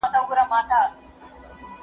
تاسو به له نورو سره په مینه چلند کوئ.